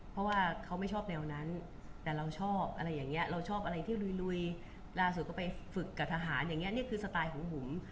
เพราะว่าเขาไม่ชอบแนวนั้นแต่เราชอบอะไรอย่างนี้เราชอบอะไรที่ลุยล่าสุดก็ไปฝึกกับทหารอย่างนี้นี่คือสไตล์ของบุ๋ม